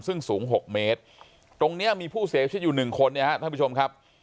ซึ่งสูง๖เมตรตรงนี้มีผู้เสียชีวิตอยู่๑คนเนี่ยฮะท่านผู้ชมครับ